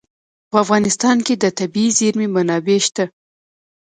په افغانستان کې د طبیعي زیرمې منابع شته.